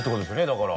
だから。